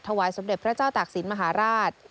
ถวายสมเด็จพระเจ้าตากศิลปมหาราช